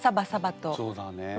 そうだねえ。